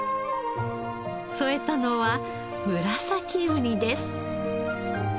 添えたのはムラサキウニです。